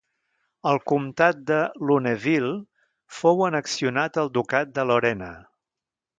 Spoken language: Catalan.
El comtat de Lunéville fou annexionat al ducat de Lorena.